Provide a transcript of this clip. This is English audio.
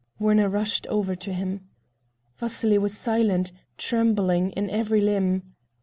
Werner rushed over to him. Vasily was silent, trembling in every limb.